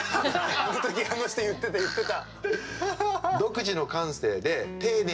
あの時あの人言ってた言ってた。